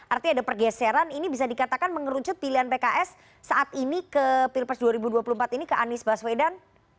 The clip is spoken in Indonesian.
artinya ada pergeseran ini bisa dikatakan mengerucut pilihan pks saat ini ke pilpres dua ribu dua puluh empat ini ke anies baswedan